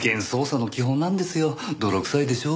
泥臭いでしょ。